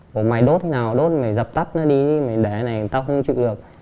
bảo mày đốt thế nào đốt mày dập tắt nó đi mày đẻ này tao không chịu được